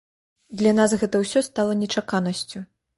Для нас гэта ўсё стала нечаканасцю.